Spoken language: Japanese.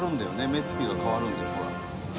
「目つきが変わるんだよほら」